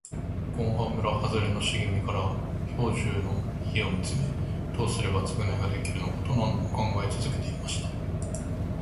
ごんは村はずれの茂みから兵十の家を見つめ、どうすれば償いができるのかと何度も考え続けていました。